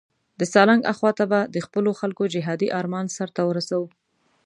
د سالنګ اخواته به د خپلو خلکو جهادي آرمان سرته ورسوو.